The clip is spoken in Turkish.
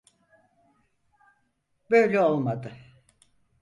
Böyle olmadı.